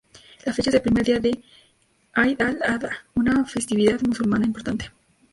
La fecha es el primer día de Eid-al-Adha, una festividad musulmana importante.